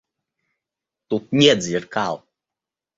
— Тут нет зеркал.